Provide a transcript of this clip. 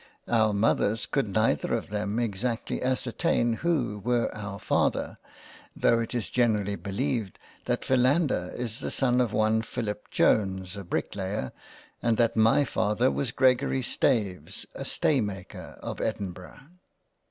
Our mothers could neither of them exactly ascertain who were our Father, though it is generally beleived that Philander, is the son of one Philip Jones a Bricklayer and that my Father was Gregory Staves a Stay maker of Edin burgh.